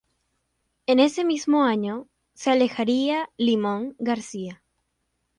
En ese mismo año, se alejaría "Limón" García.